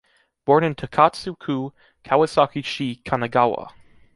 Born in Takatsu-ku, Kawasaki-shi, Kanagawa.